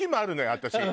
私。